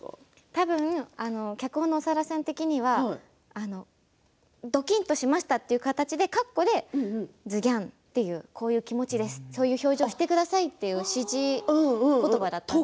多分脚本の長田さん的にはどきっとしましたという形でかっこでズギャンというそういう気持ちですとそういう表情をしてくださいという指示言葉だったと思うんです。